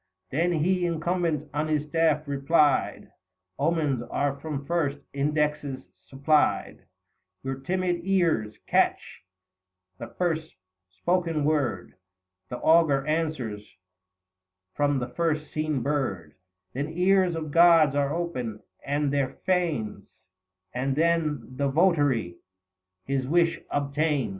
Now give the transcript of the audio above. " Then he, incumbent on his staff, replied :" Omens are from first indexes supplied ; Your timid ears catch the first spoken word, The Augur answers from the first seen bird, 190 Then ears of gods are open, and their fanes, And then the votary his wish obtains."